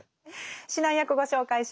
指南役ご紹介します。